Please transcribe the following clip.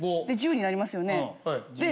１０になりますよね。